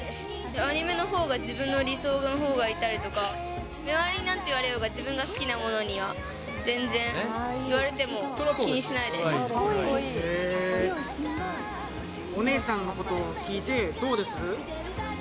アニメのほうが、自分の理想のほうがいたりとか、周りになんて言われようが、自分が好きなものには全然、お姉ちゃんのことを聞いて、どうです？